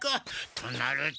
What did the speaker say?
となると。